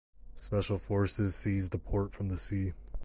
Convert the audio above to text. Special forces seized the port from the sea.